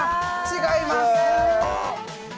違います。